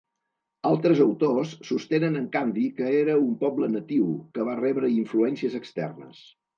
Altres autors sostenen en canvi que era un poble natiu, que va rebre influències externes.